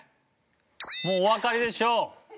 もうおわかりでしょう。